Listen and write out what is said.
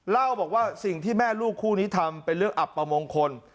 เล่าบอกว่าสิ่งที่แม่ลูกคู่นี้ทำเป็นเรื่องอับประมงคล